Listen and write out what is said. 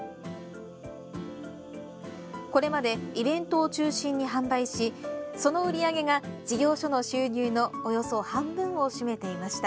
これまでイベントを中心に販売しその売り上げが事業所の収入のおよそ半分を占めていました。